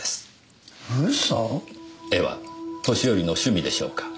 絵は年寄りの趣味でしょうか？